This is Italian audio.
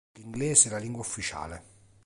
L'inglese è la lingua ufficiale.